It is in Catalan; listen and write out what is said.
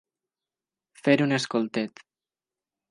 Fer un escoltet.